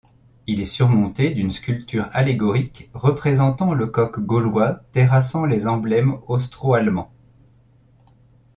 Il est surmonté d'une sculpture allégorique représentant le coq gaulois terrassant les emblèmes austro-allemands.